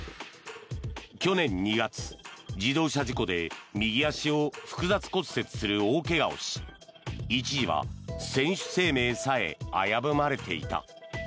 去年２月、自動車事故で右足を複雑骨折する大怪我をし一時は選手生命さえ危ぶまれていた。